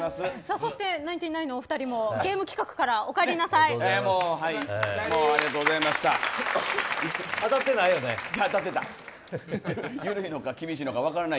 そしてナインティナインのお二人もゲーム企画からお帰りなさい。